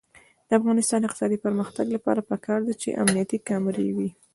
د افغانستان د اقتصادي پرمختګ لپاره پکار ده چې امنیتي کامرې وي.